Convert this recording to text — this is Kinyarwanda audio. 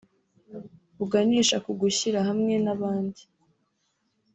buganisha ku gushyira hamwe n’abandi